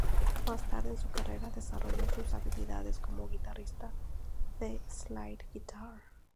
Más tarde en su carrera, desarrolló sus habilidades como guitarrista de slide guitar.